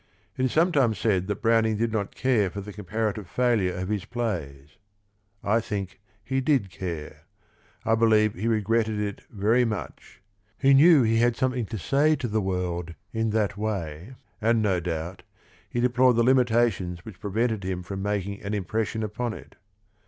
It is sometimes said that Browning did not care for the comparative failure of his plays. I think he did care. I believe he regretted it very much. He knew he had something to say to the world in that way and, no doubt, he de plored the limitations which prevented him from making an impression upon it.